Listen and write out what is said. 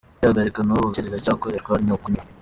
Kwihagarika” : N’ubu gake riracyakoreshwa, ni ukunyara.